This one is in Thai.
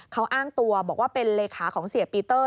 เขาอ้างตัวบอกว่าเป็นเลขาของเสียปีเตอร์